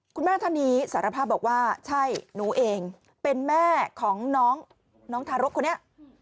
ท่านนี้สารภาพบอกว่าใช่หนูเองเป็นแม่ของน้องทารกคนนี้